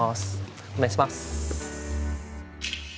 お願いします。